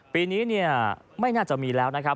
ปีนี้ไม่น่าจะมีแล้วนะครับ